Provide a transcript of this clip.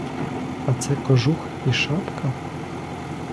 А це кожух і шапка?